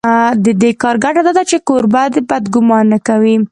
د دې کار ګټه دا ده چې کوربه بد ګومان نه کوي.